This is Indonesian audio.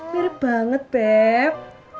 mirip banget beb